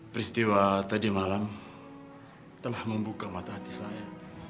peristiwa tadi malam telah membuka mata hati saya